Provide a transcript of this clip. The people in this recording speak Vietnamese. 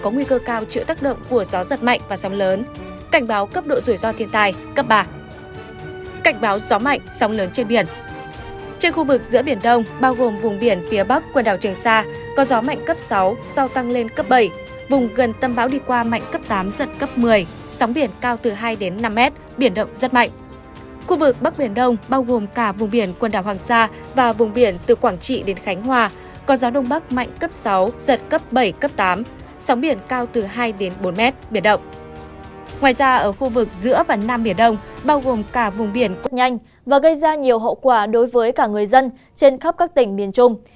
ngoài ra ở khu vực giữa và nam biển đông bao gồm cả vùng biển quốc nhanh và gây ra nhiều hậu quả đối với cả người dân trên khắp các tỉnh miền trung